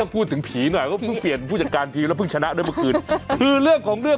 เขาบอกว่าผีแน่